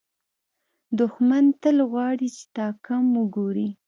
دښمن تل غواړي چې تا کم وګوري